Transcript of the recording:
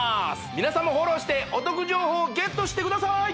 皆さんもフォローしてお得情報をゲットしてください